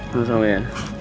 lo sama ya